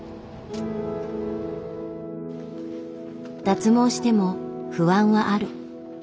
脱毛しても不安はある。